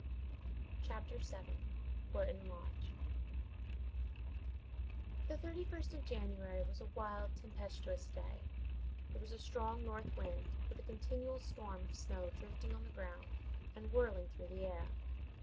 CHAPTER VII. HORTON LODGE The 31st of January was a wild, tempestuous day: there was a strong north wind, with a continual storm of snow drifting on the ground and whirling through the air.